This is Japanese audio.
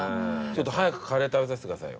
ちょっと早くカレー食べさせてくださいよ。